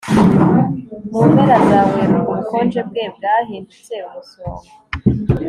Mu mpera za Werurwe ubukonje bwe bwahindutse umusonga